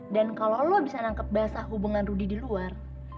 dan kalau lo bisa nangkep basah hubungan rudy di luar